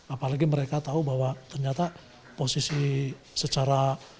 apalagi mereka tahu bahwa ternyata posisi secara